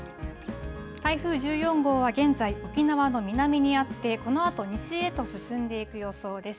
台風１４号は現在、沖縄の南にあって、このあと西へと進んでいく予想です。